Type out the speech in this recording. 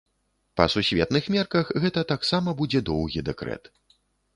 Па сусветных мерках гэта таксама будзе доўгі дэкрэт.